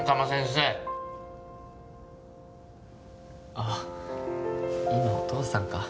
あっ今お父さんか。